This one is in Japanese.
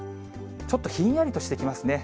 ちょっとひんやりとしてきますね。